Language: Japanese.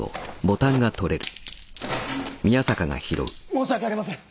申し訳ありません！